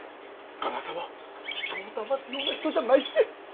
我那覇さんは人をだますような人じゃないって。